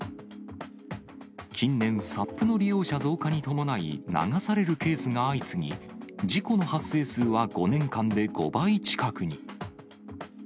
近年、サップの利用者増加に伴い、流されるケースが相次ぎ、事故の発生数は５年間で５倍近くに。